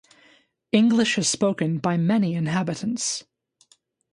English is spoken by many inhabitants.